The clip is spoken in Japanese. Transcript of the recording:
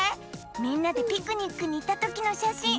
みんなでピクニックにいったときのしゃしん。